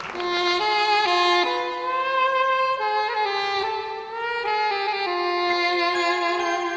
ขอบคุณค่ะ